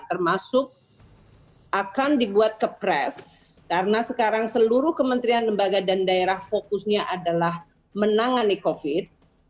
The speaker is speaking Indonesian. termasuk akan dibuat ke pres karena sekarang seluruh kementerian lembaga dan daerah fokusnya adalah menangani covid sembilan belas